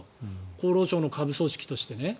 厚労省の下部組織としてね。